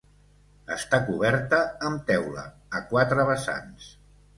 Està coberta amb teula, a quatre vessants.